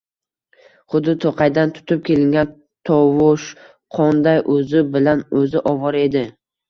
Xuddi to‘qaydan tutib kelingan tovushqonday o‘zi bilan o‘zi ovora edi